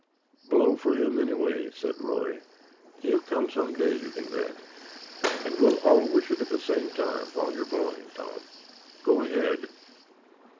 "Blow for him, anyway," said Roy. "He'll come some day, you can bet, and we'll all wish it at the same time, while you're blowing, Tom. Go ahead!"